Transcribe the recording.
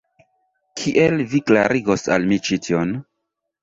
Kiel vi klarigos al mi ĉi tion?